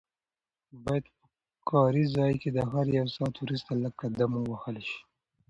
باید په کار ځای کې د هر یو ساعت وروسته لږ قدم ووهل شي.